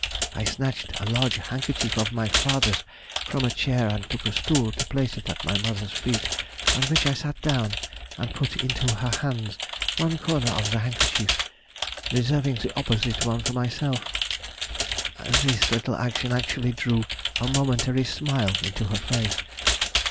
I snatched a large handkerchief of my father's from a chair and took a stool to place it at my mother's feet, on which I sat down, and put into her hands one corner of the handkerchief, reserving the opposite one for myself; this little action actually drew a momentary smile into her face....